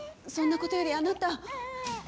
そんなことよりあなた。